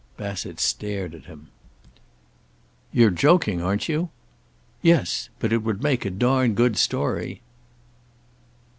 Bassett stared at him. "You're joking, aren't you?" "Yes. But it would make a darned good story."